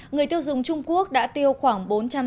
người tiêu dùng trung quốc đã tiêu khoảng